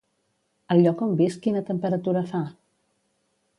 Al lloc on visc quina temperatura fa?